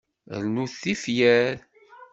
Rrnut tifyar.